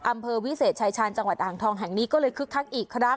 อำเภอวิเศษชายชาญจังหวัดอ่างทองแห่งนี้ก็เลยคึกคักอีกครั้ง